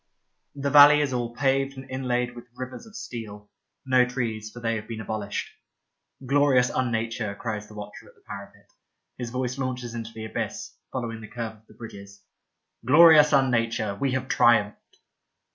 The valley is all paved and inlaid with rivers of steel. No trees, for they have been abolished. " Glorious unnature," cries the watcher at the parapet. His voice launches into the abyss, following the curve of the bridges. '' Glorious unnature. We have triumphed."